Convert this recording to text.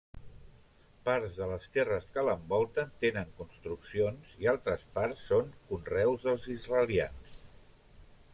Parts de les terres que l'envolten tenen construccions i altres parts són conreus dels israelians.